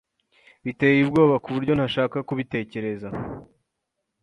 Biteye ubwoba kuburyo ntashaka kubitekereza.